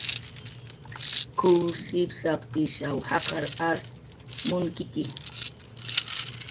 "K""uw sipsaq ishaw jaqar ar munkitxi"